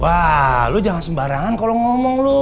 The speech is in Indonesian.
wah lu jangan sembarangan kalau ngomong lu